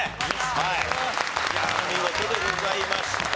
はいお見事でございました。